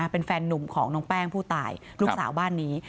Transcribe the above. เป็นแฟนนุ่มของน้องแป้งผู้ตายลูกสาวบ้านนี้